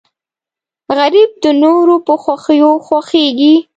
غریب د نورو په خوښیو خوښېږي